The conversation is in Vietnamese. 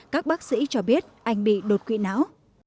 các bác sĩ cho biết anh bị đột quỵ não